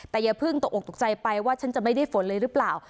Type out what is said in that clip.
แต่อย่าเพิ่งตกออกตกใจไปว่าฉันจะไม่ได้ฝนเลยหรือเปล่า